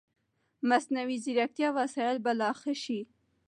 مصنوعي ځیرکتیا وسایل به لا ښه شي.